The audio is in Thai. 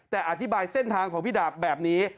แต่อธิบายเส้นทางของพี่ดาบแบบนี้